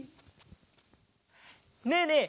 ねえねえ